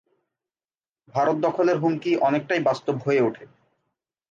ভারত দখলের হুমকি অনেকটাই বাস্তব হয়ে উঠে।